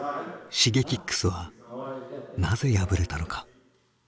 Ｓｈｉｇｅｋｉｘはなぜ敗れたのか。